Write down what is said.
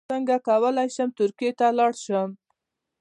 څنګه کولی شم ترکیې ته لاړ شم